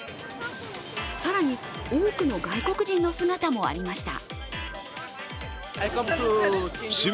更に、多くの外国人の姿もありました。